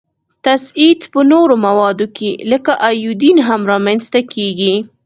تصعید په نورو موادو کې لکه ایودین هم را منځ ته کیږي.